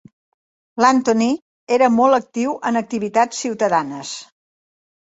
L'Anthony era molt actiu en activitats ciutadanes.